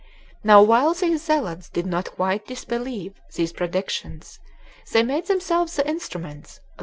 Now while these zealots did not [quite] disbelieve these predictions, they made themselves the instruments of their accomplishment.